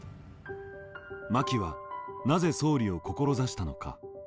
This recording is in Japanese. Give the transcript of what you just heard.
真木はなぜ総理を志したのか。